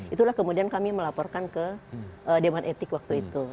itulah kemudian kami melaporkan ke dewan etik waktu itu